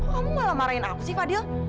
kamu gak marahin aku sih fadil